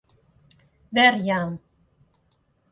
Werjaan.